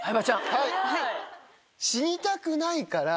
はい死にたくないから。